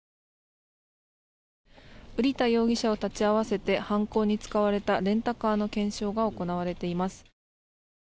瓜田容疑者を立ち会わせて犯行に使われたレンタカーの検証が行われています。